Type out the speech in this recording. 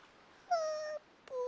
あーぷん。